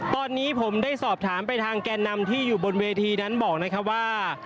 ตอนนี้ผมได้สอบถามไปทางแก่นำที่อยู่บนเวทีนั้นบอกนะครับว่า